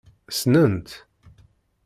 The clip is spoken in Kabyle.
Ssnen-tt?